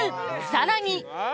［さらに］